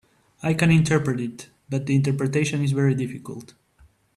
I can interpret it, but the interpretation is very difficult.